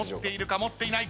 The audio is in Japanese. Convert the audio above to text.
持っていないか？